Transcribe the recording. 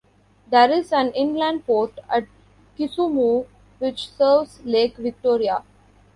There is an inland port at Kisumu which serves Lake Victoria.